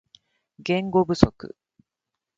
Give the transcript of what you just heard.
言語不足